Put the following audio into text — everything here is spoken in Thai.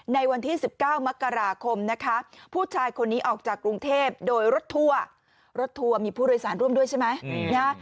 ในวันที่๑๙มกราคมนะคะผู้ชายคนนี้ออกจากกรุงเทพโดยรถทัวร์รถทัวร์มีผู้โดยสารร่วมด้วยใช่ไหม